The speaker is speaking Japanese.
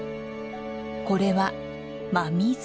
これは真水。